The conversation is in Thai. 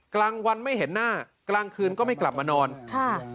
กลางวันไม่เห็นหน้ากลางคืนก็ไม่กลับมานอนค่ะ